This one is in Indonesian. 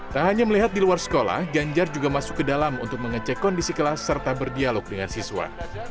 tak hanya melihat di luar sekolah ganjar juga masuk ke dalam untuk mengecek kondisi kelas serta berdialog dengan siswa